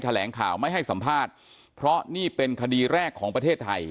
แถลงข่าวไม่ให้สัมภาษณ์เพราะนี่เป็นคดีแรกของประเทศไทย